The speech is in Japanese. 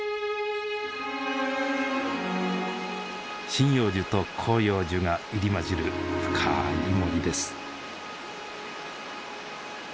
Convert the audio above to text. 針葉樹と広葉樹が入り交じる深い森です。